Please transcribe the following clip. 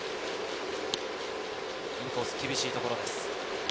インコース厳しいところです。